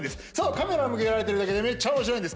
カメラを向けられてるだけで面白いんです。